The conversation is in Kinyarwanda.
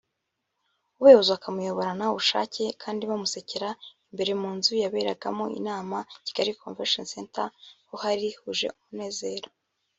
ubayoboza bakakuyoborana ubushake kandi bagusekera…Imbere mu nzu yaberagamo inama (Kigali Convention Center) ho hari huje umunezero